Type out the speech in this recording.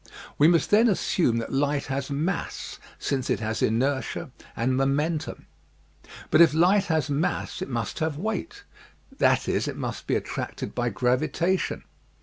We must then assume that light has mass since it has inertia and momentum. But if light has mass it must have weight; that is, it must be attracted by gravitation.